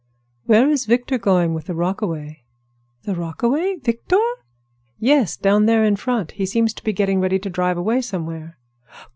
"Where is Victor going with the rockaway?" "The rockaway? Victor?" "Yes; down there in front. He seems to be getting ready to drive away somewhere."